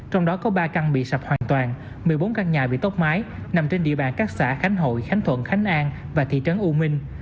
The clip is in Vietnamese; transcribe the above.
trong đó có ba căn bị sập hoàn toàn một mươi bốn căn nhà bị tốc mái nằm trên địa bàn các xã khánh hội khánh thuận khánh an và thị trấn u minh